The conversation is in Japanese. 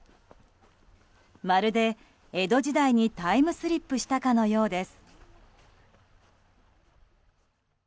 まるで江戸時代にタイムスリップしたかのようです。